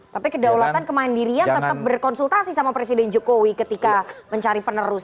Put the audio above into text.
tapi kedaulatan kemandirian tetap berkonsultasi sama presiden jokowi ketika mencari penerus